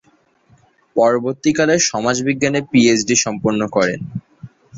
পরবর্তীকালে সমাজবিজ্ঞানে পিএইচডি সম্পন্ন করেন।